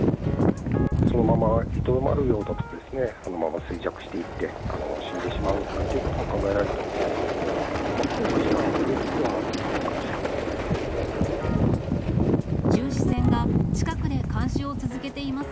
そのままとどまるようだとですね、このまま衰弱していって、死んでしまうなんていうことも考えられると思います。